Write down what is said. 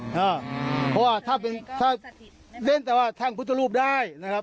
เพราะว่าถ้าเล่นแต่ว่าแท่งพุทธรูปได้นะครับ